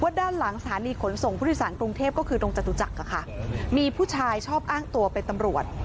ด้านหลังสถานีขนส่งผู้โดยสารกรุงเทพก็คือตรงจตุจักรมีผู้ชายชอบอ้างตัวเป็นตำรวจ